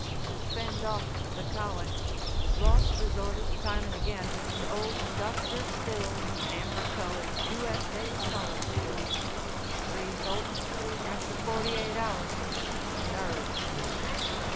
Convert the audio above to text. To fend off the colic, Ross resorted time and again to Old Doctor Still's Amber Colored U. S. A. Colic Cure. Result, after forty eight hours—nerves.